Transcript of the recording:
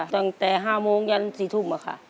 ตั้งแต่๕โมงยันทรีย์ธุ่มมาคะ